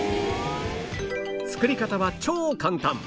作り方は超簡単